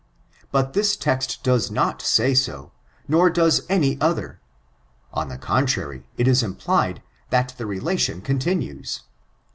But this text does not say so, nor does any other. On the contrary, it is implied, that the relation continues.